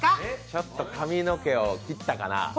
ちょっと髪の毛を切ったかな？